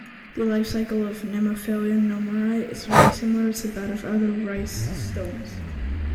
The life cycle of "Nemopilema nomurai" is very similar to that of other rhizostomes.